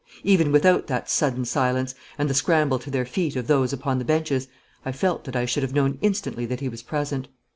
Even without that sudden silence, and the scramble to their feet of those upon the benches, I felt that I should have known instantly that he was present.